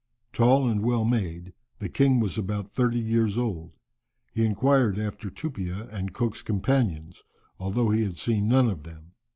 Tall and well made, the king was about thirty years old. He inquired after Tupia and Cook's companions, although he had seen none of them.